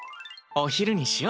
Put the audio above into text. お昼にしよ。